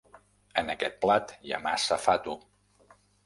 En aquest plat hi ha massa fato.